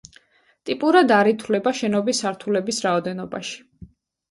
ტიპურად არ ითვლება შენობის სართულების რაოდენობაში.